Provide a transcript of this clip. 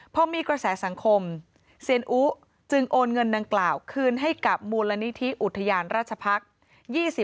พอมีกระแสสังคมเซียนอุจึงโอนเงินดังกล่าวคืนให้กับมูลนิธิอุทยานราชพักษ์